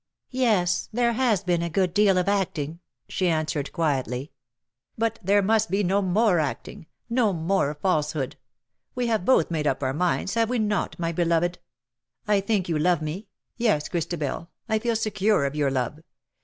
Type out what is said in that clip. '^ Yes, there has been a good deal of acting/' she answered quietly. " But there must be no more acting — no more falsehood. We have both made up our minds, have we not, my beloved ? I think you love me — yes, Christabel, I feel secure of your love.